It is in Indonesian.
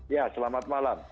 ya selamat malam